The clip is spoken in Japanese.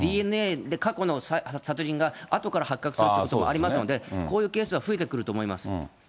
ＤＮＡで過去の殺人があとから発覚するということもありますので、こういうケースは増えてくると思います。